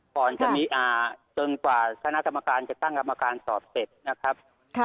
ก่อนจะมีอ่าเติมกว่าสถานกรรมการจะตั้งกรรมการตอบเสร็จนะครับ